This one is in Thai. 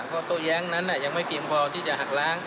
ข้อต้อย้างนั้นน่ะยังไม่มีพอที่จะหักล้าง